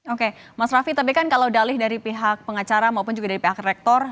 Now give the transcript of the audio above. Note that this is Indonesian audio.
oke mas raffi tapi kan kalau dalih dari pihak pengacara maupun juga dari pihak rektor